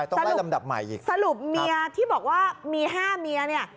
ต้องได้ลำดับใหม่อีกสรุปเมียที่บอกว่ามีห้าเมียเนี่ย